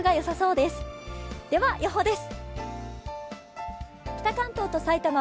では、予報です。